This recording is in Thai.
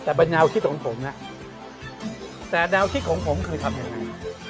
แต่เป็นแนวคิดของผมแต่แนวคิดของผมเคยทำยังไง